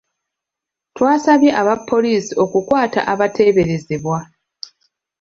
Twasabye aba poliisi okukwata abateeberezebwa.